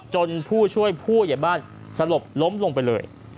ผู้ช่วยผู้ใหญ่บ้านสลบล้มลงไปเลย